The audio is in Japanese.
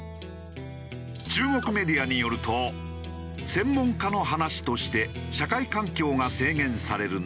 中国メディアによると専門家の話として社会環境が制限される